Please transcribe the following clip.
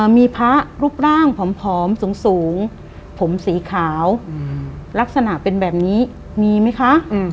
มีพระรูปร่างผอมสูงผมสีขาวลักษณะเป็นแบบนี้มีไหมคะ